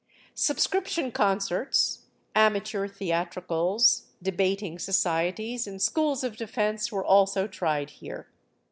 Subscription concerts, amateur theatricals, debating societies, and schools of defence were also tried here.